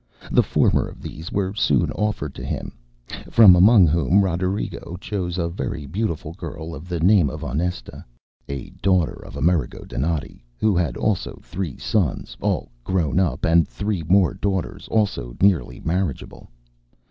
The former of these were soon offered to him, from among whom Roderigo chose a very beautiful girl of the name of Onesta, a daughter of Amerigo Donati, who had also three sons, all grown up, and three more daughters, also nearly marriageable.